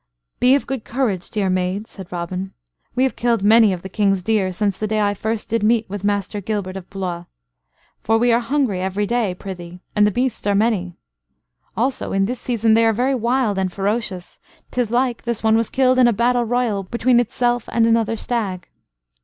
"Be of good courage, dear maid," said Robin. "We have killed many of the King's deer since the day I first did meet with Master Gilbert of Blois. For we are hungry every day, prithee, and the beasts are many. Also in this season they are very wild and ferocious 'tis like this one was killed in a battle royal between itself and another stag.